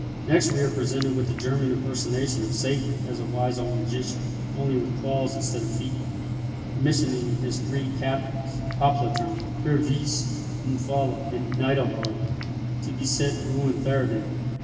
Next we are presented with the German impersonation of Satan as a wise old magician, only with claws instead of feet, commissioning his three captains (hauptleutern), Fürwitz, Umfallo, and Neidelhard, to beset and ruin Theurdank.